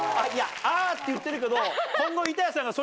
「あ」って言ってるけど今後。